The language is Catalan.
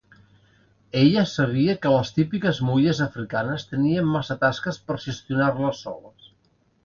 Ella sabia que les típiques mullers africanes tenien massa tasques per gestionar-les soles.